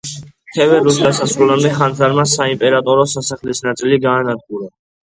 თებერვლის დასასრულამდე ხანძარმა საიმპერატორო სასახლის ნაწილი გაანადგურა.